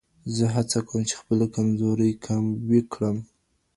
زه هڅه کوم چې خپلې کمزورۍ قوي کړم.